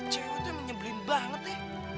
ceweknya menyebelin banget teh